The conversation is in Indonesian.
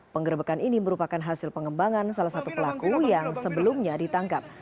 penggerebekan ini merupakan hasil pengembangan salah satu pelaku yang sebelumnya ditangkap